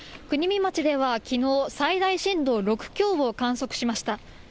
国見町ではきのう、最大震度６強を観測しました。